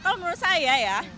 kalau menurut saya ya